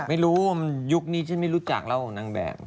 ไม่รู้ว่ายุคนี้ฉันไม่รู้จักแล้วนางแบบ